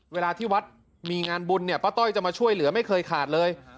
เวลาที่วัดมีงานบุญเนี่ยป้าต้อยจะมาช่วยเหลือไม่เคยขาดเลย